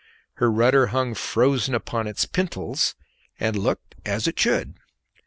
Her rudder hung frozen upon its pintles, and looked as it should.